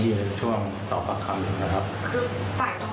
ก็ตามคลิปตามมีกระทะทายกัน